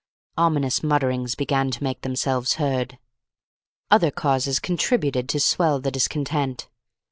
Ominous mutterings began to make themselves heard. Other causes contributed to swell the discontent.